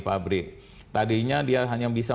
pabrik tadinya dia hanya bisa